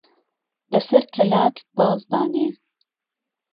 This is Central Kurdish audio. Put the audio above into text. بهسهر کەلاک باز دانێ